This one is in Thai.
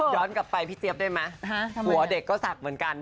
กลับไปพี่เจี๊ยบได้ไหมหัวเด็กก็ศักดิ์เหมือนกัน